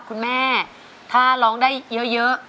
คุณแม่ถ้าร้องได้เยอะ